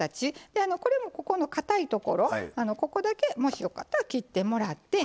でこれもここのかたいところここだけもしよかったら切ってもらって。